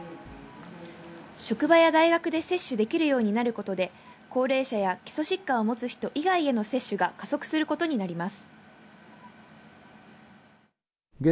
職場や大学で接種できるようになることで高齢者や基礎疾患を持つ人以外への接種が加速することになります。